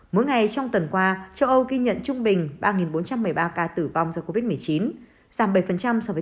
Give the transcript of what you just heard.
mỗi ngày trong tuần qua châu âu ghi nhận trung bình ba bốn trăm một mươi ba ca tử vong do covid một mươi chín giảm bảy so với